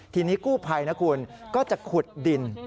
ทีนี้กู้ภัยนะคุณก็จะขุดดิน